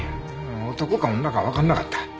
男か女かわからなかった。